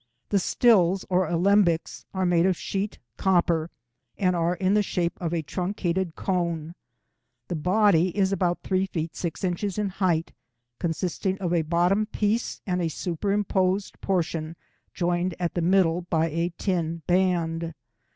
The stills, or alembics, are made of sheet copper, and are in the shape of a truncated cone. The body is about 3 ft. 6 in. in height, consisting of a bottom piece and a superimposed portion joined at the middle by a tin band.